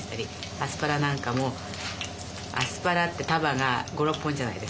アスパラなんかもアスパラって束が５６本じゃないですか。